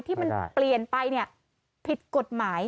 ที่มันเปลี่ยนไปผิดกฎหมาย